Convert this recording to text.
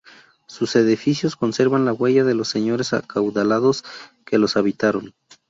Sus edificios conservan la huella de los señores acaudalados que los habitaron.